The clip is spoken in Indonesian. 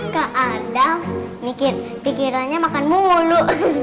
kak adam mikir mikirannya makan mulu